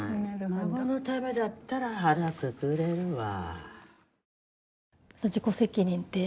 孫のためだったら腹くくれるわ。